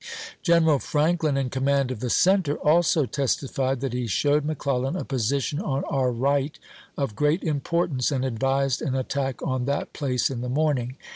General Franklin, in command of the center, also testified that he showed McClellan a position on our right of great importance, and advised an attack on that place in the morning.